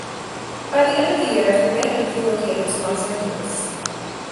By the end of the year, the band had relocated to Los Angeles.